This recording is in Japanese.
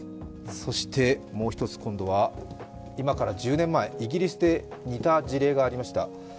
そしてもう一つ、今から１０年前、イギリスで似た事例がありました。